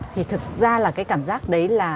thì thực ra là cái cảm giác đấy là